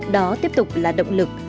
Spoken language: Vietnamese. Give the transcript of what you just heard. đó tiếp tục là động lực